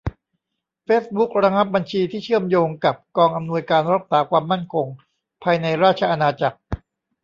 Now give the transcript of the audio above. เฟซบุ๊กระงับบัญชีที่เชื่อมโยงกับ กองอำนวยการรักษาความมั่นคงภายในราชอาณาจักร